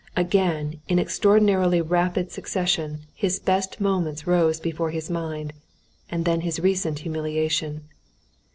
Again in extraordinarily rapid succession his best moments rose before his mind, and then his recent humiliation.